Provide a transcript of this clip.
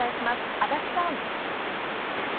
足立さん。